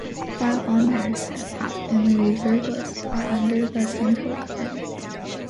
While all matters set out in the Reserved List are under the central government.